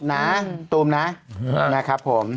นะตูมนะนะครับผม